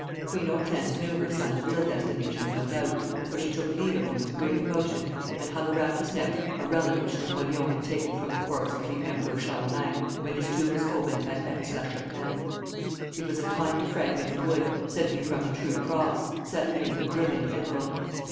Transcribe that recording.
Queen Hortense knew her son's real destination, no doubt, for she took leave of him with great emotion, and hung around his neck a relic which Napoleon had taken from the corpse of the Emperor Charlemagne when his tomb was opened at Aix la Chapelle. It was a tiny fragment of wood, said to be from the True Cross, set beneath a brilliant emerald.